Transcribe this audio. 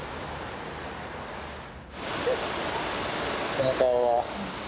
その顔は？